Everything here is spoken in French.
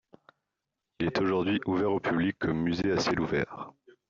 Il est aujourd'hui ouvert au public comme musée à ciel ouvert.